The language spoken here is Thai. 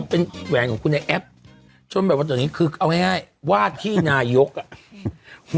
เป็นแหวนของคุณไอ้แอปจนแบบว่าตอนนี้คือเอาง่ายวาดที่นายกอ่ะ